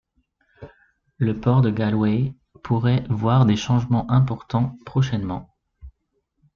Le port de Galway pourrait voir des changements importants prochainement.